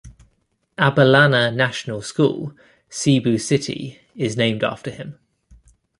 Abellana National School, Cebu City is named after him.